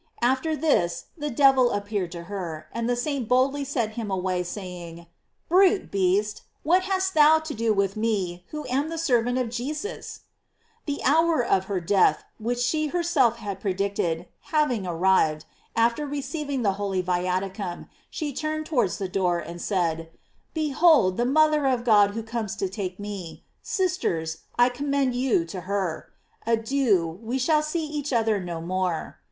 After this the devil appeared to her, and the saint boldly sent him away, saying: "Brute beast, what hast thou to do with me who am the ser vant of Jesus? " The hour of her death, which * MenoL Cist, ai Santi d'Agosto. GLORIES OF MARY. 727 she herself had predicted, having arrived, after receiving the holy viaticum, she turned tow ards the door, and said: "Behold the mother of God who comes to take me. Sisters, I com mend you to her. Adieu, we shall see each oth er no more."